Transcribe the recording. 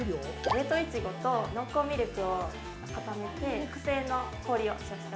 冷凍いちごと濃厚ミルクを固めて特製の氷を使用しております。